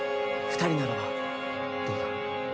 二人ならばどうだ？